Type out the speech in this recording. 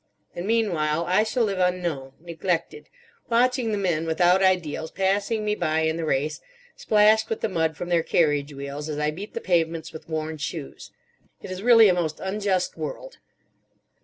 And meanwhile I shall live unknown, neglected; watching the men without ideals passing me by in the race, splashed with the mud from their carriage wheels as I beat the pavements with worn shoes. It is really a most unjust world."